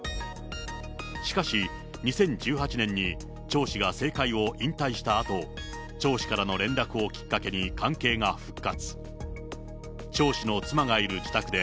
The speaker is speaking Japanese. しかし、２０１８年に張氏が政界を引退したあと、張氏からの連絡をきっかけに、関係が復活。